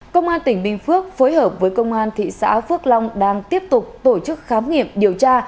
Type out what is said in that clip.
công an tỉnh bình phước phối hợp với công an thị xã phước long đang tiếp tục tổ chức khám nghiệm điều tra